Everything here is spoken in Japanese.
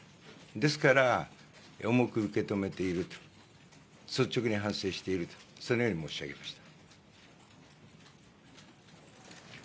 ですから、重く受け止めていると、率直に反省している、そのように申し上げました。